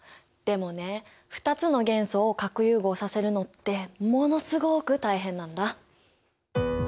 でもね２つの元素を核融合させるのってものすごく大変なんだ。